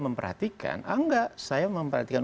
memperhatikan ah enggak saya memperhatikan